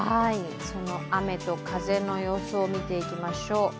その雨と風の予想を見ていきましょう。